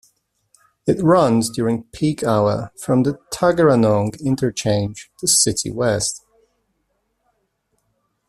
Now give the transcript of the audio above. It runs during peak hour from the Tuggeranong Interchange to City West.